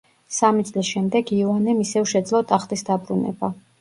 სამი წლის შემდეგ იოანემ ისევ შეძლო ტახტის დაბრუნება.